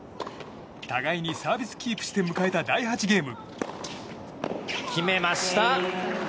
互いにサービスキープして迎えた第８ゲーム。